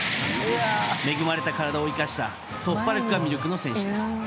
恵まれた体を生かした突破力が魅力の選手です。